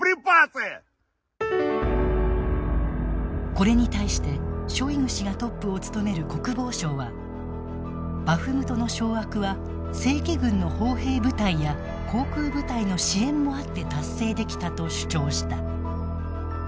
これに対してショイグ氏がトップを務める国防省はバフムトの掌握は正規軍の砲兵部隊や航空部隊の支援もあって達成できたと主張した。